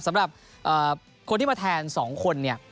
สำหรับคนที่มาแทน๒คนเนี่ย